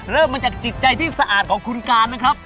เริ่มมาจากจิตใจที่สะอาดของคุณการนะครับ